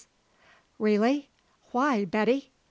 "Really? Why, Betty?"